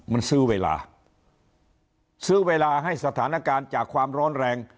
มันซื้อเวลาซื้อเวลาให้สถานการณ์จากความร้อนแรง